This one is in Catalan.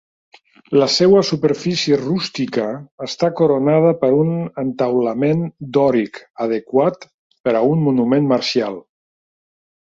La seva superfície rústica està coronada per un entaulament dòric, adequat per a un monument marcial.